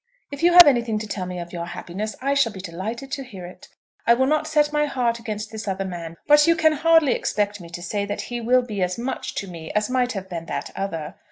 If you have anything to tell me of your happiness, I shall be delighted to hear it; I will not set my heart against this other man; but you can hardly expect me to say that he will be as much to me as might have been that other.